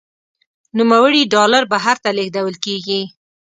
نوموړي ډالر بهر ته لیږدول کیږي.